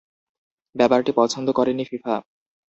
ব্যাপারটি পছন্দ করেনি ফিফা।